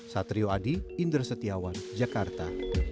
satrio adi indra setiawan jakarta